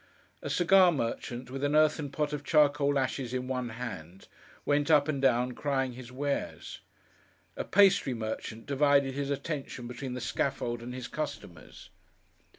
A cigar merchant, with an earthen pot of charcoal ashes in one hand, went up and down, crying his wares. A pastry merchant divided his attention between the scaffold and his customers.